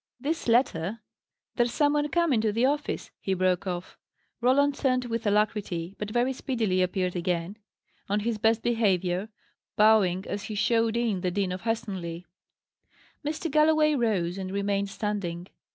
This letter There's some one come into the office," he broke off. Roland turned with alacrity, but very speedily appeared again, on his best behaviour, bowing as he showed in the Dean of Helstonleigh. Mr. Galloway rose, and remained standing.